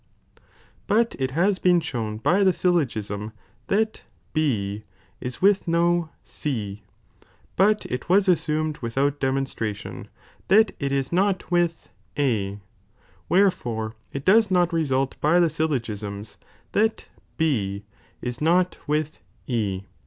But it has been shown by the syllogism that B is with no C, but it was as Bumed without demonstration ' that it is not with A, wherefore it does not result by the syllogisms that B is not with E.